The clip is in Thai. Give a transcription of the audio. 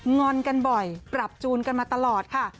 งอนกันบ่อยปรับจูนกันมาตลอดค่ะ